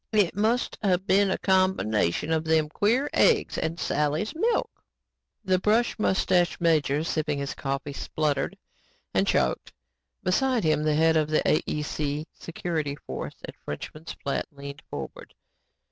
"It must of been the combination of them queer eggs and Sally's milk." The brush mustached major sipping his coffee, spluttered and choked. Beside him, the head of the AEC security force at Frenchman's Flat leaned forward.